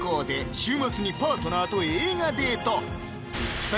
週末にパートナーと映画デート